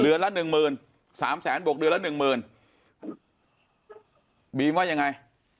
ละหนึ่งหมื่นสามแสนบวกเดือนละหนึ่งหมื่นบีมว่ายังไง